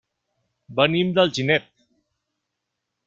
Venim d'Alginet.